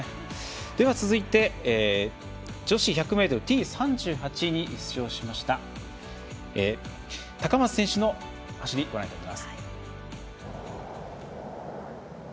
続いて女子１００ｍＴ３８に出場しました高松選手の走りをご覧ください。